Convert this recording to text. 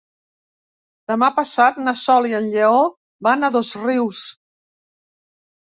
Demà passat na Sol i en Lleó van a Dosrius.